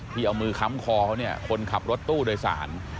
ที่เอามือค้ำคอเขาเนี่ยคนขับรถตู้โดยสาร